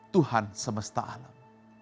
tuhan semesta alam